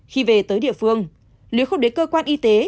khi về tới địa phương nếu không đến cơ quan y tế